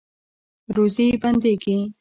روزي بندیږي؟